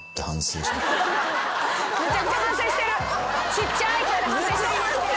ちっちゃい声で反省してた。